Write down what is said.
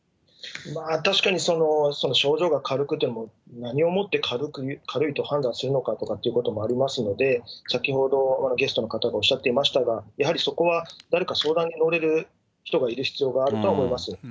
確かに症状が軽くても、何をもって軽いと判断するのかっていうこともありますので、先ほど、ゲストの方がおっしゃっていましたが、やはりそこは誰か相談に乗れる人がいる必要があるとは思います。